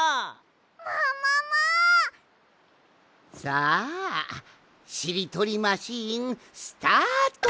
さあしりとりマシーンスタート！